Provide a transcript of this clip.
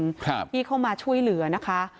ครับที่เข้ามาช่วยเหลือนะคะ